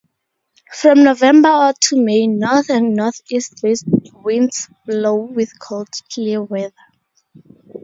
From November to May, north and northeast winds blow with cold clear weather.